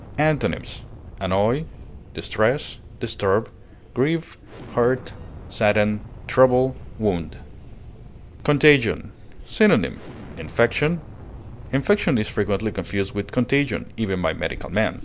Antonyms: annoy, distress, disturb, grieve, hurt, sadden, trouble, wound. CONTAGION. Synonym: infection. Infection is frequently confused with contagion, even by medical men.